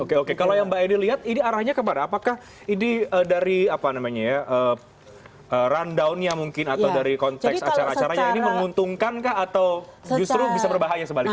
oke oke kalau yang mbak edi lihat ini arahnya kepada apakah ini dari rundownya mungkin atau dari konteks acara acaranya ini menguntungkan atau justru bisa berbahaya sebaliknya